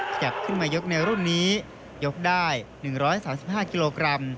ขยับขึ้นมายกในรุ่นนี้ยกได้๑๓๕กิโลกรัม